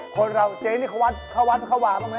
คนเราเจ๊นี่เขาวัดเขาวาบ้างไหม